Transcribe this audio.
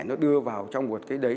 nó đưa vào trong một cái đấy